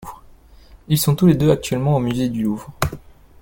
Ils sont tous les deux actuellement au musée du Louvre.